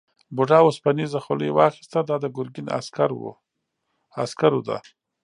بوډا اوسپنيزه خولۍ واخیسته دا د ګرګین عسکرو ده.